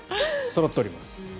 そろっております。